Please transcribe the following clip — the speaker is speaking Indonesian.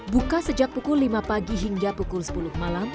buka sejak pukul lima pagi hingga pukul sepuluh malam